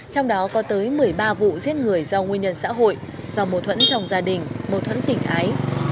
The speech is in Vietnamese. trong đó có tới một mươi ba vụ giết người do nguyên nhân xã hội do mâu thuẫn chồng gia đình mâu thuẫn tỉnh ái